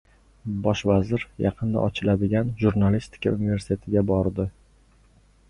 Bosh vazir yaqinda ochiladigan Jurnalistika universitetiga bordi